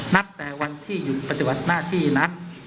นับแต่วันที่หยุดปฏิบัติหน้าที่นัด